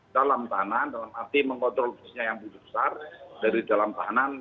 dalam tahanan dalam arti mengontrol bisnisnya yang besar dari dalam tahanan